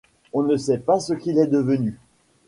On ne sait pas ce qu'il est devenu.